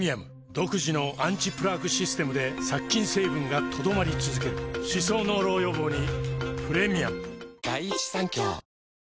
独自のアンチプラークシステムで殺菌成分が留まり続ける歯槽膿漏予防にプレミアム